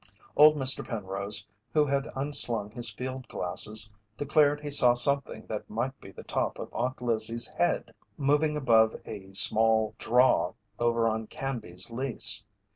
Old Mr. Penrose, who had unslung his field glasses, declared he saw something that might be the top of Aunt Lizzie's head moving above a small "draw" over on Canby's lease.